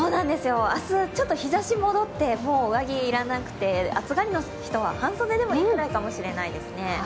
明日、ちょっと日ざし戻って上着いらなくて暑がりの人は半袖でもいいくらいかもしれないですね。